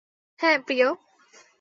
হ্যাঁ, প্রিয়?